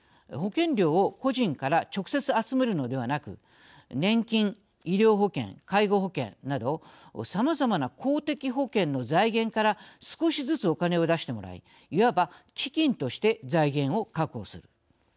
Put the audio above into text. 保険料を個人から直接、集めるのではなく年金、医療保険、介護保険などさまざまな公的保険の財源から少しずつ、お金を出してもらいいわば、基金として財源を確保する。